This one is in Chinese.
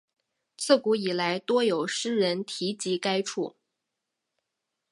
自古以来多有诗人提及该处。